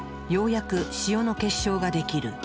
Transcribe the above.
ようやく塩の結晶ができる。